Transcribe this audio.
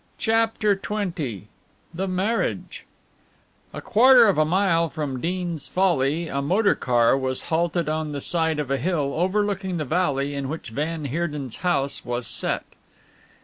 CHAPTER XX THE MARRIAGE A quarter of a mile from Deans Folly a motor car was halted on the side of a hill overlooking the valley in which van Heerden's house was set.